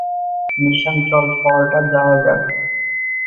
Nissan, চল, শহরটায় যাওয়া যাক।